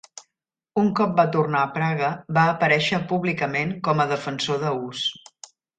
Un cop va tornar a Praga, va aparèixer públicament com a defensor de Hus.